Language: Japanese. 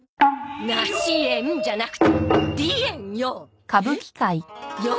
「なしえん」じゃなくて「りえん」よ！